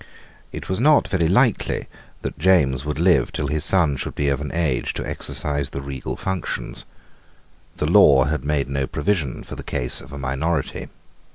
It was not very likely that James would live till his son should be of age to exercise the regal functions. The law had made no provision for the case of a minority.